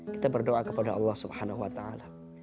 kita berdoa kepada allah subhanahu wa ta'ala